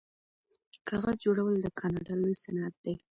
کاغذ جوړول د کاناډا لوی صنعت دی.